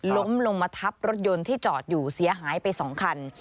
ล้มลงมาทับรถยนต์ที่จอดอยู่เสียหายไป๒คัน